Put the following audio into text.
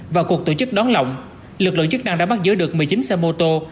vào cuộc tổ chức đón lọng lực lượng chức năng đã bắt giữ được một mươi chín xe mô tô